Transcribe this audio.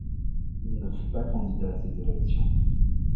Il ne fut pas candidat à ces élections.